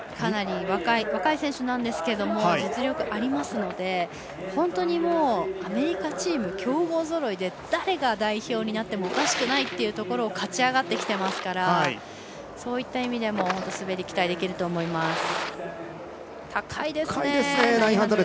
かなり若い選手なんですが実力、ありますので本当にアメリカチーム強豪ぞろいで誰が代表になってもおかしくないというところを勝ち上がってますからそういった意味でも滑り、期待できると思います。